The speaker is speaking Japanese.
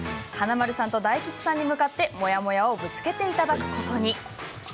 華丸さんと大吉さんに向かってモヤモヤをぶつけていただくことに。